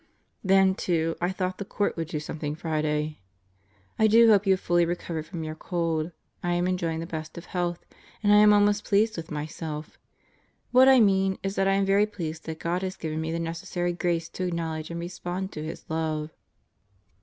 ^Then, too, I thought the Court would do something Friday. I do hope you have fully recovered from your cold. I am enjoying the best of health and I am almost pleased with myself. What I mean is that I am very pleased that God has given me the neces sary grace to acknowledge and respond to His love.